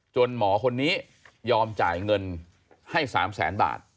หมอคนนี้ยอมจ่ายเงินให้๓แสนบาท